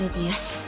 よし。